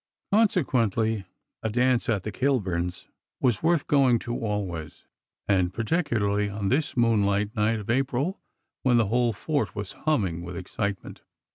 Consequently, a dance at the Kilburns was worth going to always, and particularly on this moonlight night of April when the whole fort was humming with excitement.